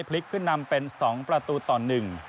พลิกขึ้นนำเป็น๒ประตูต่อ๑